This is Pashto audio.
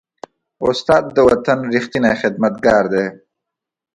استاد د وطن ریښتینی خدمتګار دی.